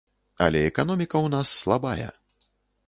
Але эканоміка ў нас слабая.